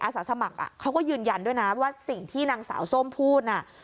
สาสมัครเขาก็ยืนยันด้วยนะว่าสิ่งที่นางสาวส้มพูดน่ะ